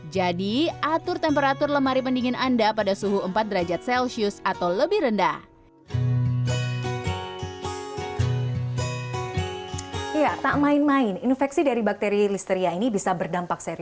jadi atur temperatur lemari pendingin anda pada suhu empat derajat celcius atau lebih rendah